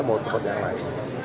kemudian ke tempat yang lain